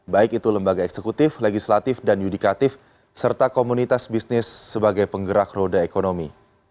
baik itu lembaga eksekutif legislatif dan yudikatif serta komunitas bisnis sebagai penggerak roda ekonomi